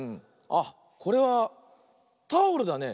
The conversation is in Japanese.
あっこれはタオルだね。